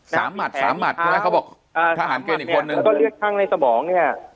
หมัดสามหมัดใช่ไหมเขาบอกอ่าทหารเกณฑ์อีกคนนึงแล้วก็เลือดข้างในสมองเนี้ย